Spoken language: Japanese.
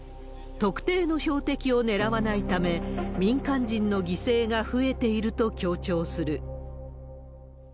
特定の標的を狙わないため、民間人の犠牲が増えていると強調する。